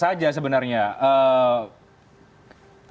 harusnya di breakdown pada level data